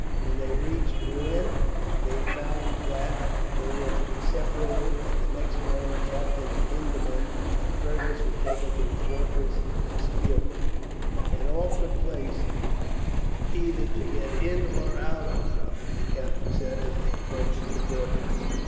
When they reached Bruenn they found that they were to be separated, and the next morning Captain Hindeman and Fergus were taken to the fortress of Spielberg. "An awkward place either to get in or out of, Drummond," the captain said, as they approached the fortress.